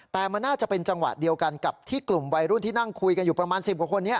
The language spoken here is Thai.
แต่มันน่าจะเป็นจังหวะเดียวกันกับที่กลุ่มวัยรุ่นที่นั่งคุยกันอยู่ประมาณ๑๐กว่าคนนี้